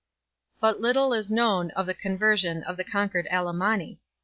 But little is known of the conversion of the conquered Allemanni.